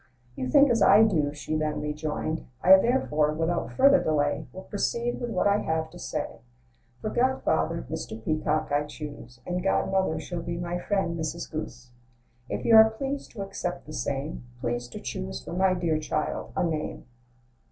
"You think as I do," she then rejoined. "I, therefore, without further delay, Will proceed with what I have to say. For godfather, Mr. Peacock I choose ; And godmother shall be my friend, Mrs. Goose. If you are pleased to accept the same, Please to choose for my dear child a name."